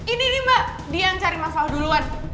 ini nih mbak dia yang cari masalah duluan